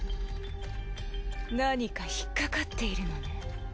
何か引っ掛かっているのね。